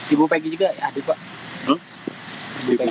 ibu peggy juga ada pak